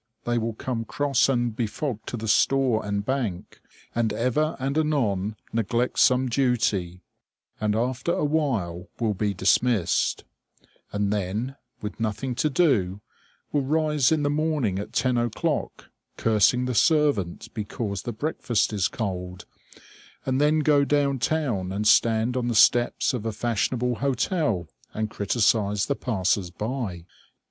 They will come cross and befogged to the store and bank, and ever and anon neglect some duty, and after a while will be dismissed: and then, with nothing to do, will rise in the morning at ten o'clock, cursing the servant because the breakfast is cold, and then go down town and stand on the steps of a fashionable hotel, and criticise the passers by.